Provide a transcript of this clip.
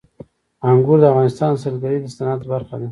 انګور د افغانستان د سیلګرۍ د صنعت برخه ده.